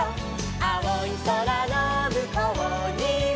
「あおいそらのむこうには」